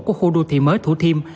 của khu đô thị mới thủ thiêm